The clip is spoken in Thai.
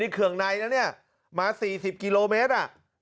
เคืองไนมา๔๐กิโลเมตร